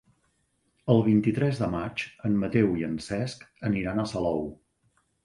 El vint-i-tres de maig en Mateu i en Cesc aniran a Salou.